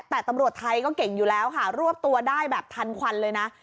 แต่ตำรวจไทยก็เก่งอยู่แล้วค่ะรวบตัวได้แบบทันควันเลยนะ